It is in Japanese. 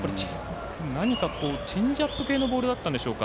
何かチェンジアップ系のボールだったんでしょうか。